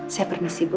saya permisi bu